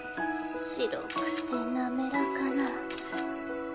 白くてなめらかな。